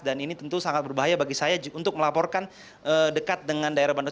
dan ini tentu sangat berbahaya bagi saya untuk melaporkan dekat dengan daerah bandung